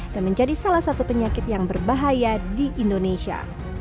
dan menjadi salah satu penyakit yang berbahaya di indonesia